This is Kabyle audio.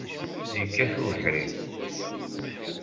Yekkat ubeḥri.